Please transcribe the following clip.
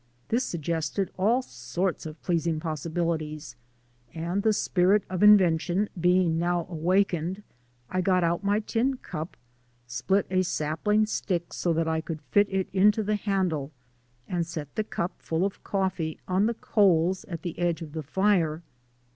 This suggested all sorts of pleasing possibilities and, the spirit of invention being now awakened, I got out my tin cup, split a sapling stick so I could fit it into the handle, and set the cup, full of coffee, on the coals at the edge of the fire.